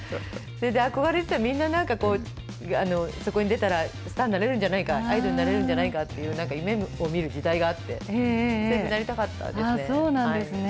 それで憧れてた、みんななんか、そこに出たらスターになれるんじゃないか、アイドルになれるんじゃないかっていう、なんか夢をみる時代があって、なりたかったでそうなんですね。